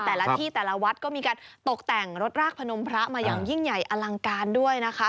แต่ละที่แต่ละวัดก็มีการตกแต่งรถรากพนมพระมาอย่างยิ่งใหญ่อลังการด้วยนะคะ